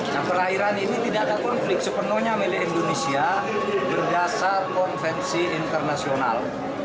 nah perairan ini tidak ada konflik sepenuhnya milik indonesia berdasar konvensi internasional